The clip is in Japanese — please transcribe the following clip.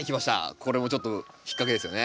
これもちょっと引っ掛けですよね。